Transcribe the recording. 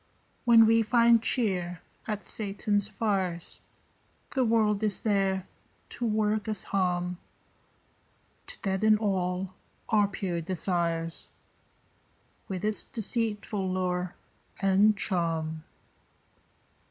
When we find cheer at Satan's fires The world is there to work us harm, To deaden all our pure desires With its deceitful lure and charm.